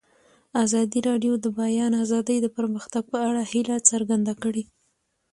ازادي راډیو د د بیان آزادي د پرمختګ په اړه هیله څرګنده کړې.